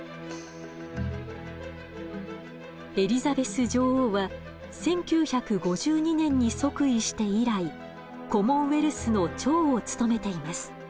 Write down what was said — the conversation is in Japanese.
エリザベス女王は１９５２年に即位して以来コモンウェルスの長を務めています。